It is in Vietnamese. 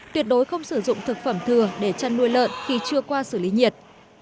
tuyệt đối không sử dụng thực phẩm thừa để chăn nuôi lợn khi chưa qua xử lý nhiệt